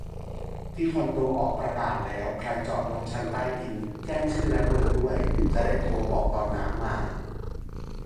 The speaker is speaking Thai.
ที่คอนโดออกประกาศแล้ว ใครจอดรถชั้นใต้ดิน แจ้งชื่อและเบอร์ด้วย จะได้โทรบอกตอนน้ำมา